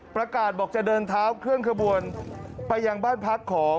ประกาศบอกจะเดินเท้าเคลื่อนขบวนไปยังบ้านพักของ